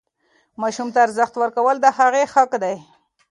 ماسوم ته ارزښت ورکول د هغه حق دی.